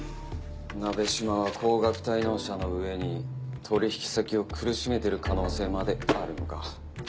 「なべしま」は高額滞納者の上に取引先を苦しめてる可能性まであるのか。